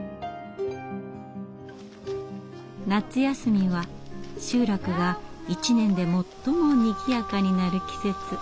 夏休みは集落が一年で最もにぎやかになる季節。